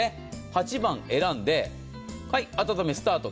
８番選んで、はい温めスタート。